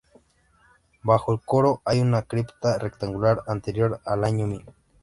Bajo el coro hay una cripta rectangular anterior al año mil.